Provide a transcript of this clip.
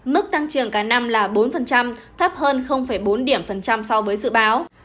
mức tăng trưởng cả năm là bốn thấp hơn bốn điểm phần trăm so với dự báo